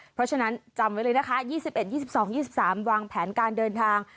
เพราะฉะนั้นจำไว้เลยนะคะ๒๑๒๒๒๓วางแผนการเดินทาง